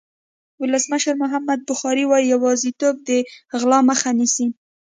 ولسمشر محمد بخاري وایي یوازېتوب د غلا مخه نیسي.